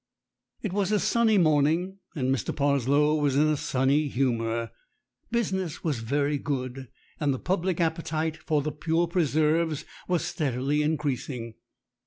It was a sunny 46 STORIES WITHOUT TEARS morning, and Mr. Parslow was in a sunny humor; business was very good, and the public appetite for the Pure Preserves was steadily increasing.